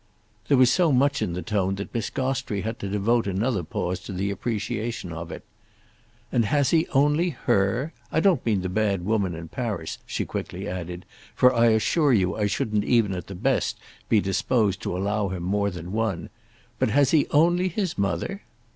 There was so much in the tone that Miss Gostrey had to devote another pause to the appreciation of it. "And has he only her? I don't mean the bad woman in Paris," she quickly added—"for I assure you I shouldn't even at the best be disposed to allow him more than one. But has he only his mother?"